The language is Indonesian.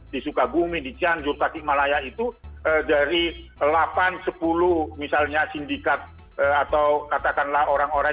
di sukabumi di cianjur tasikmalaya itu dari delapan sepuluh misalnya sindikat atau katakanlah orang orang